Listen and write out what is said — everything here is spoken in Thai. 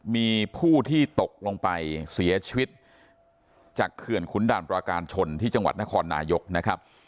มีผู้ที่ตกลงไปเสียชีวิตจากเขื่อนขุนด่านปราการชนที่จังหวัดนครนายกนะครับ